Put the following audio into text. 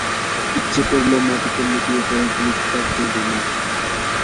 ইচ্ছে করল মাটিতে লুটিয়ে পড়ে খানিকটা কেঁদে নেয়।